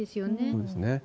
そうですね。